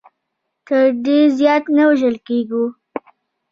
تر دې زیات نه وژل کېږو.